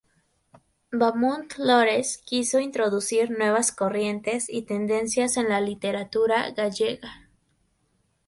Vaamonde Lores quiso introducir nuevas corrientes y tendencias en la literatura gallega.